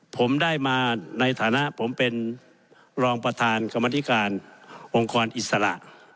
ผมได้มาในฐานะผมเป็นรองประธานกรรมธิการองค์กรอิสระ